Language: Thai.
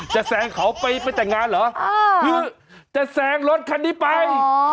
จะแสงเขาไปไม่แต่งงานเหรอจะแสงรถคันนี้ไป